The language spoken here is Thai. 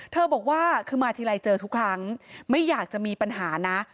บอกว่าคือมาทีไรเจอทุกครั้งไม่อยากจะมีปัญหานะ